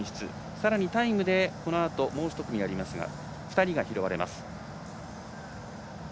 さらにタイムでこのあともう１組ありますが２人が拾われます。